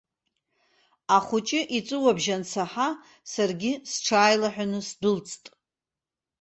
Ахәыҷы иҵәуабжь ансаҳа, саргьы сҽааилаҳәаны сдәылҵт.